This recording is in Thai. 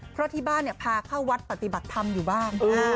เพราะที่บ้านพาเข้าวัดปฏิบัติธรรมอยู่บ้าน